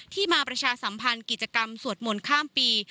มาประชาสัมพันธ์กิจกรรมสวดมนต์ข้ามปี